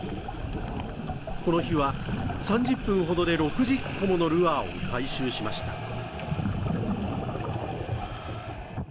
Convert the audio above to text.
この日は３０分ほどで６０個ものルアーを回収しました。